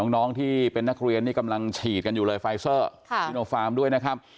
น้องที่เป็นนักเรียนนี่กำลังฉีดกันอยู่เลยไฟเซอร์ซิโนฟาร์มด้วยนะครับ